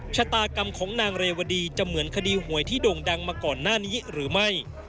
ชะตากรรมของนางเรวดีจะเหมือนคดีหวยที่โด่งดังมาก่อนหน้านี้หรือไม่